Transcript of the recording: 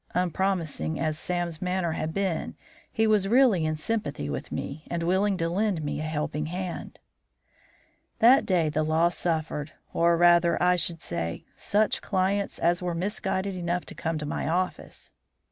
Unpromising as Sam's manner had been, he was really in sympathy with me, and willing to lend me a helping hand. That day the law suffered, or, rather, I should say, such clients as were misguided enough to come to my office.